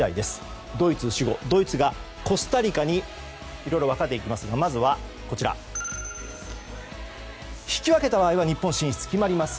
ドイツがコスタリカにいろいろ分かれますが、まず引き分けた場合は日本の進出が決まります。